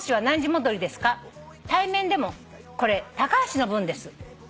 「対面でも『これタカハシの分です』」